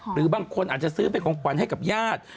หรือบางคนอาจจะซื้อเป็นของขวัญให้กับญาติ